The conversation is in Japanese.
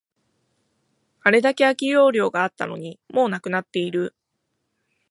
あれだけ空き容量があったのに、もうなくなっている